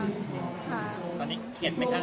อ๋อตอนนี้เห็นไหมค่ะ